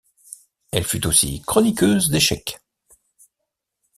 Elle fut aussi chroniqueuse d’échecs.